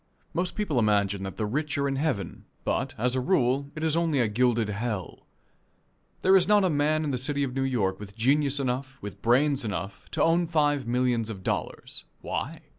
Most people imagine that the rich are in heaven, but, as a rule, it is only a gilded hell. There is not a man in the city of New York with genius enough, with brains enough, to own five millions of dollars. Why?